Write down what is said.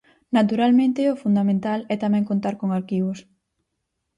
Naturalmente, o fundamental é tamén contar con arquivos.